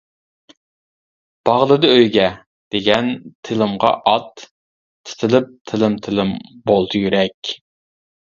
باغلىدى «ئۆيگە. » دېگەن تىلىمغا ئات، تىتىلىپ تىلىم-تىلىم بولدى يۈرەك.